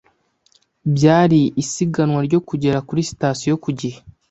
Byari isiganwa ryo kugera kuri sitasiyo ku gihe.